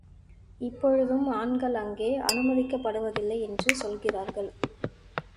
இப்பொழுதும் ஆண்கள் அங்கே அனுமதிக்கப்படுவதில்லை என்று சொல்கிறார்கள்.